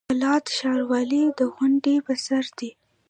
قلات ښار ولې د غونډۍ په سر دی؟